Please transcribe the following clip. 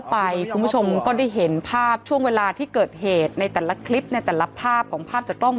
โปรดติดตามตอนต่อไป